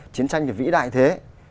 chiến tranh thì vĩ đại thế